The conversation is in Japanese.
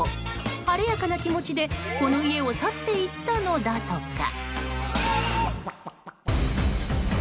晴れやかな気持ちでこの家を去っていったのだとか。